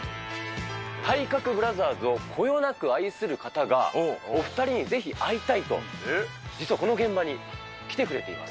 体格ブラザーズをこよなく愛する方が、お２人にぜひ会いたいと、実はこの現場に来てくれています。